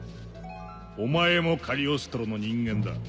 お前もカリオストロの人間だ。